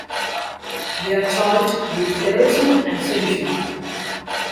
They are charged with terrorism and sedition.